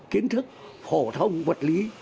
kiến thức phổ thông vật lý